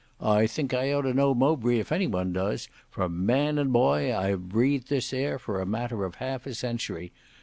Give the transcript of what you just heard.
I think I ought to know Mowbray if any one does, for man and boy I have breathed this air for a matter of half a century.